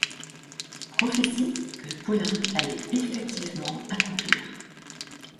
Prophétie que le poulain allait effectivement accomplir.